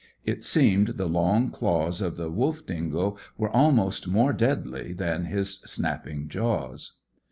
It seemed the long claws of the wolf dingo were almost more deadly than his snapping jaws.